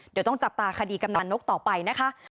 เดี๋ยวต้องจับตาคดีกำนันนกต่อไปนะคะ